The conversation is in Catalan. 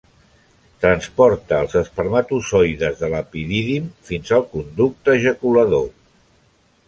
Transporta els espermatozoides de l"epidídim fins al conducte ejaculador.